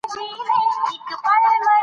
خندا روح پیاوړی کوي او روغتیا ته ګټه رسوي.